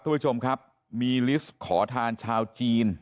ทุกผู้ชมครับมีลิสต์ขอทานชาวจีน